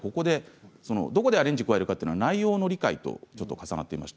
どこでアレンジを加えるかそれは内容の理解と重なります。